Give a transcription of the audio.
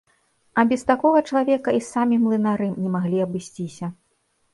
А без такога чалавека і самі млынары не маглі абысціся.